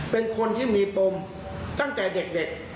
เป็นคนที่มีปมตั้งแต่เด็ก